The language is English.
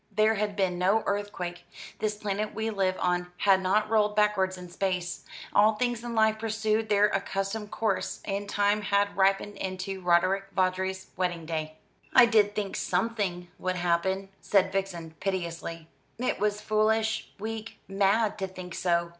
There had been no earthquake; this planet we live on had not rolled backwards in space; all things in life pursued their accustomed course, and time had ripened into Roderick Vawdrey's wedding day. "I did think something would happen," said Vixen piteously. "It was foolish, weak, mad to think so.